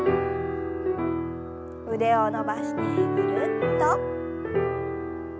腕を伸ばしてぐるっと。